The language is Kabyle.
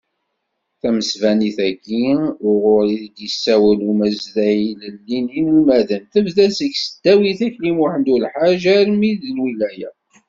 Tamesbanit-agi uɣur i d-yessawel Umazday ilelli n yinelmaden, tebda seg tesdawit Akli Muḥend Ulḥaǧ armi d lwilaya.